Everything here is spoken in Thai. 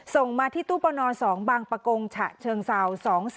ส่งมาที่ตู้ประนอน๒บางปะโกงฉะเชิงซาว๒๔๑๓๐